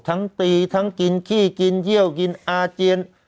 ทั้งตีทั้งกินขี้กินเยี่ยวกินอาเจียน